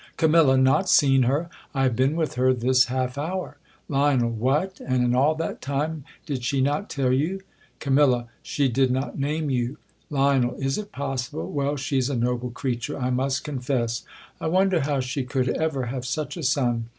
Cam. Not seen her ! 1 have been with her this half hour. Lion. What ! and in all that time did she not tell you? Cam. She did not name you. Lion. Is it possible ! Well, she's a noble creature, I must confess, I wonder how she could ever have such a son.